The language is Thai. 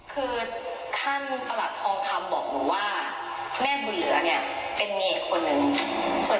คือท่านประหลัดทองคำบอกหนูว่าแม่บุญเหลือเนี่ยเป็นเนรคนหนึ่งส่วน